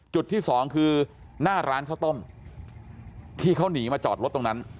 จุดที่สองคือหน้าร้านข้าวต้มที่เขาหนีมาจอดรถตรงนั้น